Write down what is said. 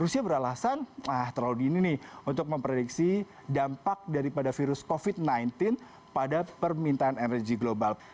rusia beralasan terlalu dini nih untuk memprediksi dampak daripada virus covid sembilan belas pada permintaan energi global